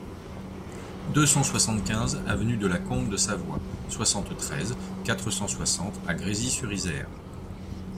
deux cent soixante-quinze avenue de la Combe de Savoie, soixante-treize, quatre cent soixante à Grésy-sur-Isère